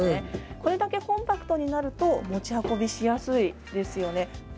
これだけコンパクトになると持ち運びしやすいですよね。